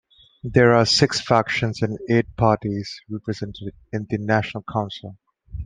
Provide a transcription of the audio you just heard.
There are six factions and eight parties represented in the National Council.